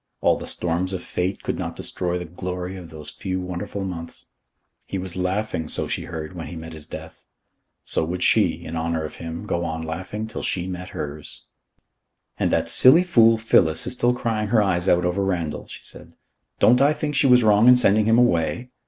All the storms of fate could not destroy the glory of those few wonderful months. He was laughing, so she heard, when he met his death. So would she, in honour of him, go on laughing till she met hers. "And that silly little fool, Phyllis, is still crying her eyes out over Randall," she said. "Don't I think she was wrong in sending him away?